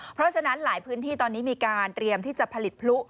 เพราะฉะนั้นหลายพื้นที่ตอนนี้มีการเตรียมที่จะผลิตพลุ